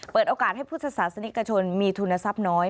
เปิดโอกาสให้พุทธศาสนิกชนมีทุนทรัพย์น้อย